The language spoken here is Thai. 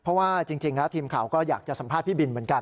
เพราะว่าจริงแล้วทีมข่าวก็อยากจะสัมภาษณ์พี่บินเหมือนกัน